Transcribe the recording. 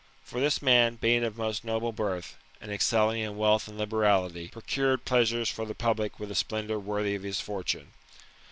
For this man being of most noble birth, and excelling in wealth and liberality, procured pleasures for the public with a splendour worthy of his fortune.